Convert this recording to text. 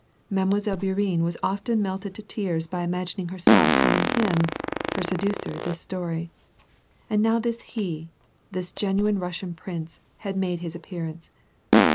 IVnie. Bourienne was often melted to tears by imagining herself telling him^ her seducer, til is story. And now this he, this genuine Russian prince, luul made his appearance.